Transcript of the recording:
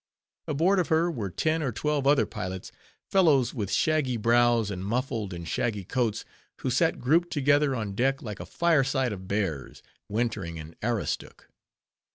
Aboard of her were ten or twelve other pilots, fellows with shaggy brows, and muffled in shaggy coats, who sat grouped together on deck like a fire side of bears, wintering in Aroostook.